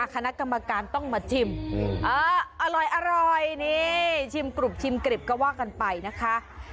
คณะกรรมการต้องมาชิมอร่อยนี่ชิมกรุบชิมกริบก็ว่ากันไปนะคะ